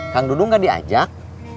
kang dudung gak diajak